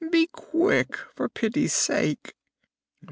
Be quick, for pity's sake."